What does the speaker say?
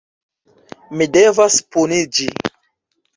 Mi devas puniĝi.